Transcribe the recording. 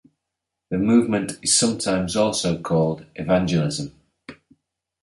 The movement is sometimes also called evangelism.